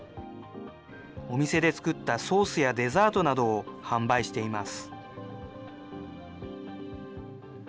お店で作ったソースやデザートなどを販売しています。